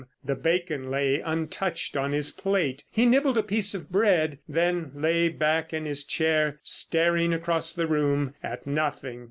The bacon lay untouched on his plate. He nibbled a piece of bread, then lay back in his chair staring across the room—at nothing.